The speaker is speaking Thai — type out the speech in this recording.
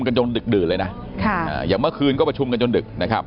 กันจนดึกดื่นเลยนะอย่างเมื่อคืนก็ประชุมกันจนดึกนะครับ